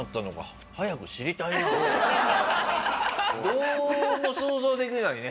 どうも想像できないね。